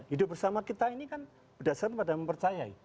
hidup bersama kita ini kan berdasarkan pada mempercayai